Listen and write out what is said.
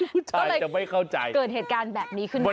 ผู้ชายจะไม่เข้าใจเกิดเหตุการณ์แบบนี้ขึ้นมา